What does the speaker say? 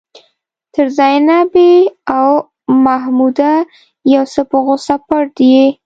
تر زينبې او محموده يو څه په غوښه پټ يې.